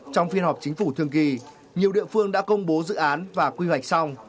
trong phiên họp chính phủ thường kỳ nhiều địa phương đã công bố dự án và quy hoạch xong